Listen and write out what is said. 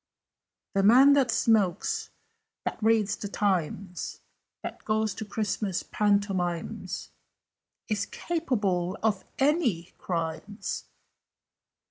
"The man that smokes that reads the Times That goes to Christmas Pantomimes Is capable of any crimes!"